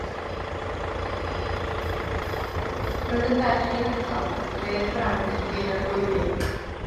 Roedd yn ferch i raglaw ac roedd ei brawd yn Nhŷ'r Arglwyddi.